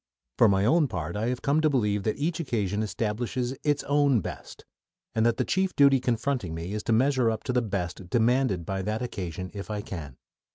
For my own part, I have come to believe that each occasion establishes its own "best," and that the chief duty confronting me is to measure up to the "best" demanded by that occasion if I can.